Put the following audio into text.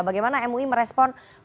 bagaimana mui merespon penetapan tersangka